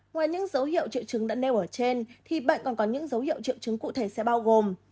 ngoài những dấu hiệu triệu chứng đã nêu ở trên thì bệnh còn có những dấu hiệu triệu chứng cụ thể sẽ bao gồm